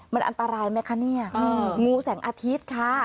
มันอันตรายไหมคะเนี่ยงูแสงอาทิตย์ค่ะ